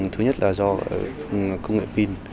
thứ nhất là do công nghệ pin